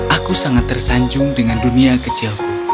aku sangat tersanjung dengan dunia kecilku